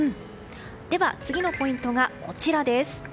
では次のポイントがこちらです。